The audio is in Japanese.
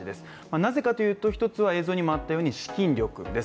なぜかというと一つは映像にもあったように資金力です